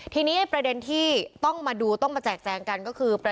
ทีนี้ประเด็นที่ต้องมาดูต้องมาแจกแจงกันก็คือ